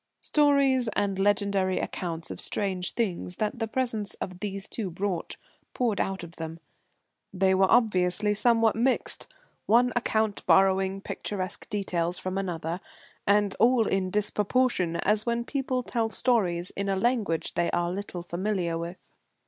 Stories and legendary accounts of strange things that the presence of these two brought poured out then. They were obviously somewhat mixed, one account borrowing picturesque details from another, and all in disproportion, as when people tell stories in a language they are little familiar with.